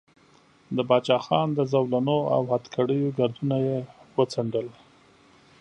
د باچا خان د زولنو او هتکړیو ګردونه یې وڅنډل.